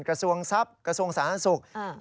กระทรวงซัภกระถวงสรรสุครวรรษ